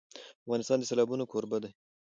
افغانستان د سیلابونه کوربه دی.